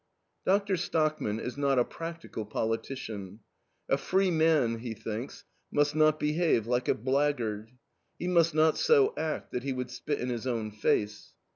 Doctor Stockman is not a practical politician. A free man, he thinks, must not behave like a blackguard. "He must not so act that he would spit in his own face."